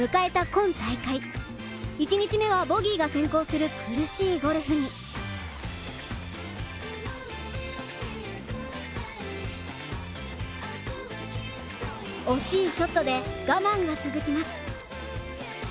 今大会１日目はボギーが先行する苦しいゴルフに惜しいショットで我慢が続きます。